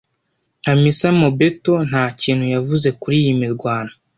Hamisa Mobetto nta kintu yavuze kuri iyi mirwano